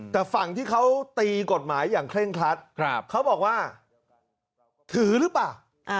แต่ฝั่งที่เขาตีกฎหมายอย่างเคร่งครัดเขาบอกว่าถือหรือเปล่า